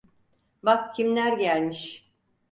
Bak kimler gelmiş.